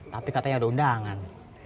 tapi katanya ada undangan